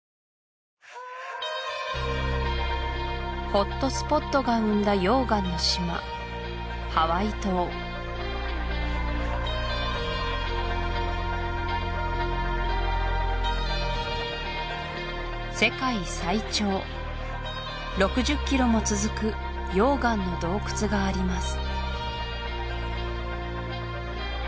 ホットスポットが生んだ溶岩の島ハワイ島世界最長６０ｋｍも続く溶岩の洞窟があります